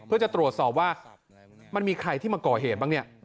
เพื่อจะตรวจสอบว่ามันมีใครที่มาก่อเหตุบ้างเนี่ย